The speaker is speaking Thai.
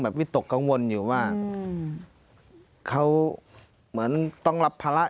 วิตกกังวลอยู่ว่าเขาเหมือนต้องรับภาระ